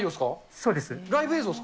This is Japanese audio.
そうです。